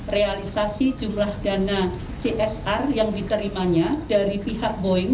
realisasi jumlah dana csr yang diterimanya dari pihak boeing